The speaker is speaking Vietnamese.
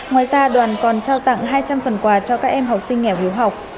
ngoài ra đoàn còn trao tặng hai trăm linh phần quà cho các em học sinh nghèo hiếu học